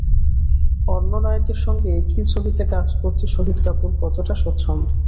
অন্য নায়কের সঙ্গে একই ছবিতে কাজ করতে শহীদ কাপুর কতটা স্বচ্ছন্দ?